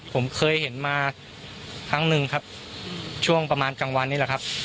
ผมเคยเห็นมาครั้งหนึ่งครับช่วงประมาณกลางวันนี้แหละครับ